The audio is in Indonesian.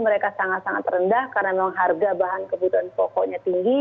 mereka sangat sangat rendah karena memang harga bahan kebutuhan pokoknya tinggi